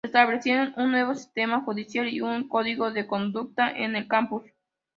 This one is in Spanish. Se establecieron un nuevo sistema judicial y un código de conducta en el campus.